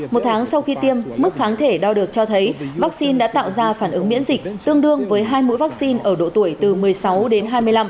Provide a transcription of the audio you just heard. một tháng sau khi tiêm mức kháng thể đo được cho thấy vaccine đã tạo ra phản ứng miễn dịch tương đương với hai mũi vaccine ở độ tuổi từ một mươi sáu đến hai mươi năm